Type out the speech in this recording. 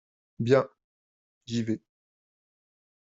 Bien, j'y vais.